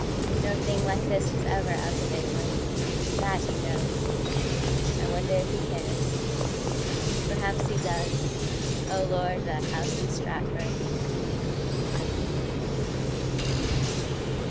No thing like this was ever out of England; And that he knows. I wonder if he cares. Perhaps he does.… O Lord, that House in Stratford!